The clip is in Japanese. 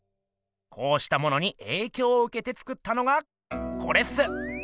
こうしたものにえいきょうをうけて作ったのがコレっす。